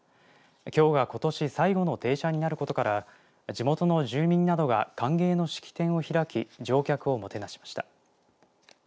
きょうが、ことし最後の停車になることから地元の住民などが歓迎の式典を開き乗客をもてなしました。